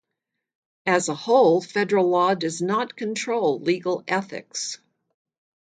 As a whole, federal law does not control legal ethics.